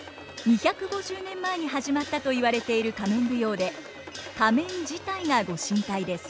２５０年前に始まったと言われている仮面舞踊で仮面自体が御神体です。